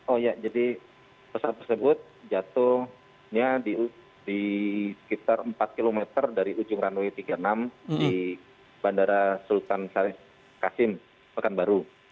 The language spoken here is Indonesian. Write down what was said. oh ya jadi pesawat tersebut jatuhnya di sekitar empat km dari ujung runway tiga puluh enam di bandara sultan kasim pekanbaru